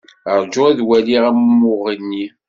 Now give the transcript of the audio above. Rju ad waliɣ umuɣ-nni.